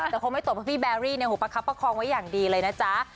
แต่เขาไม่ตกเพราะว่าพี่แบร์รี่เนี่ยควบคับประคองไว้อย่างดีเลยนะจ๊ะ